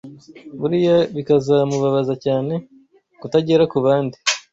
Buriya bikamubabaza cyane kutagera kubandi